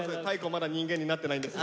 まだ人間になってないんです。